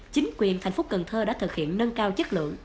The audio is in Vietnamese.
chính quyền thành phố cần thơ đã thực hiện nâng cao chất lượng